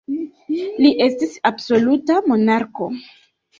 Li estis absoluta monarko.